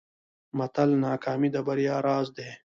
متل: ناکامي د بریا راز دی.